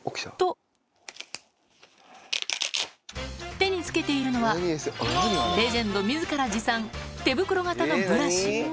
手につけているのは、レジェンドみずから持参、手袋型のブラシ。